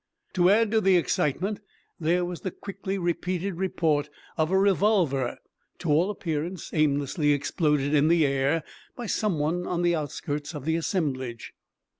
To add to the excitement; there was the quickly repeated report of a revolver, to all appearance aimlessly exploded in the air by some one on the outskirts of the assemblage.